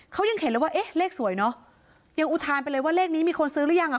เขายังเห็นเลยว่าเอ๊ะเลขสวยเนอะยังอุทานไปเลยว่าเลขนี้มีคนซื้อหรือยังอ่ะ